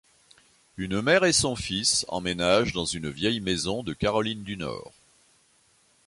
Une mère et son fils emménagent dans une vieille maison de Caroline du Nord.